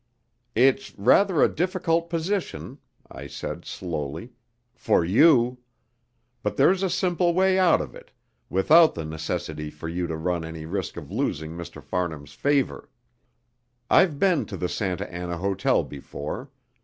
"It's rather a difficult position," I said, slowly, "for you. But there's a simple way out of it, without the necessity for you to run any risk of losing Mr. Farnham's favour. I've been to the Santa Anna Hotel before.